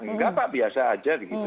enggak pak biasa aja gitu